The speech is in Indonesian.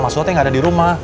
mas suha teh gak ada di rumah